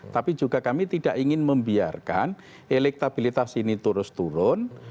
tapi juga kami tidak ingin membiarkan elektabilitas ini terus turun